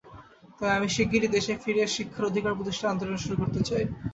তাই আমি শিগগিরই দেশে ফিরে শিক্ষার অধিকার প্রতিষ্ঠার আন্দোলন শুরু করতে চাই।